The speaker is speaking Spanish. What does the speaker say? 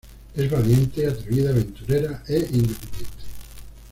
Es valiente, atrevida, aventurera e independiente.